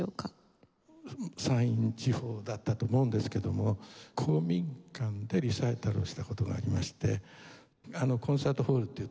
山陰地方だったと思うんですけども公民館でリサイタルをした事がありましてコンサートホールっていうと椅子がありますよね。